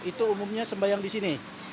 itu umumnya sembahyang di sini